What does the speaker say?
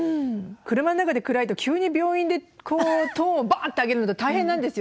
車の中で暗いと急に病院でトーンバッて上げるのって大変なんですよ。